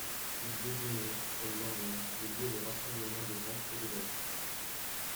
Il désignait, pour le lendemain, les lieux de rassemblement des Ventes et des Loges.